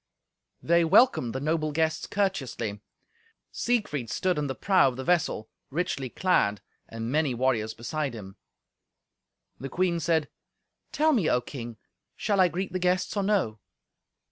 They welcomed the noble guests courteously. Siegfried stood in the prow of the vessel, richly clad, and many warriors beside him. The queen said, "Tell me, O King, shall I greet the guests, or no?"